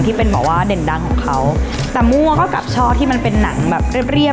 ที่เป็นแบบว่าเด่นดังของเขาแต่มั่วก็กลับชอบที่มันเป็นหนังแบบเรียบเรียบ